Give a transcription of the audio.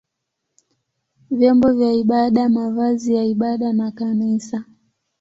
vyombo vya ibada, mavazi ya ibada na kanisa.